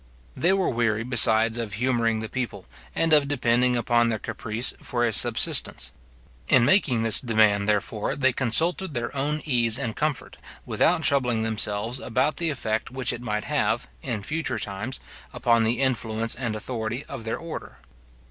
They were weary, besides, of humouring the people, and of depending upon their caprice for a subsistence. In making this demand, therefore, they consulted their own ease and comfort, without troubling themselves about the effect which it might have, in future times, upon the influence and authority of their order.